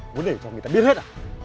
muốn để cho người ta biết hết à